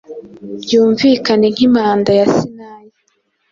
Byumvikane nkimpanda ya Sinayi